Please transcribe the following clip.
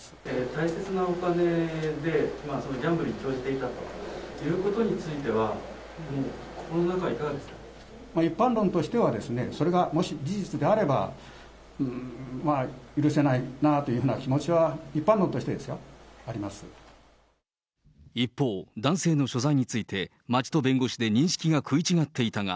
大切なお金で、ギャンブルに興じていたということについては、心の中、一般論としては、それがもし事実であれば、まあ、許せないなぁというふうな気持ちは、一方、男性の所在について、町と弁護士で認識が食い違っていたが。